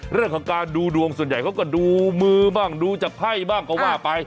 เรื่องของการดูดวงส่วนใหญ่เขาก็ดูมือบ้างดูจากไพ่บ้างก็ว่าไป